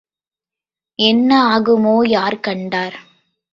என்ன ஆகுமோ யார் கண்டார்?